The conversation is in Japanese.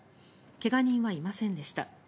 怪我人はいませんでした。